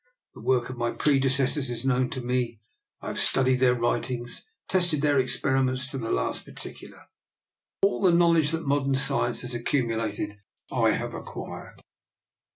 The work of my predecessors is known to me; I have studied their writings, and tested their experiments to the last particular. All the knowledge that modern science has accu mulated I have acquired.